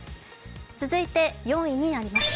続いて４位になります。